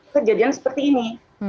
kejadian seperti ini